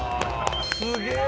すげえ！